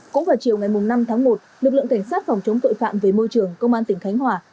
cũng vào chiều ngày năm tháng một lực lượng cảnh sát phòng chống tội phạm về môi trường công an tỉnh khánh hòa